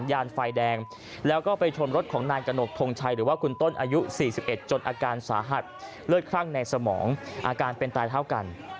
หรือว่าคุณต้นอายุ๔๑จนอาการสาหัสเลือดคลั่งในสมองอาการเป็นตายเท่ากัน